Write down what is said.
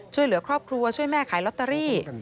ช่วยเหลือครอบครัวช่วยแม่ขายลอตเตอรี่